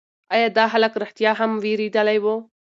ایا دا هلک رښتیا هم وېرېدلی و؟